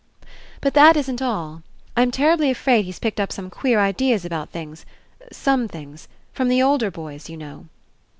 ''But that isn't all. I'm terribly afraid he's picked up some queer ideas about things — some things — from the older boys, you know."